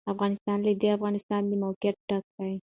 افغانستان له د افغانستان د موقعیت ډک دی.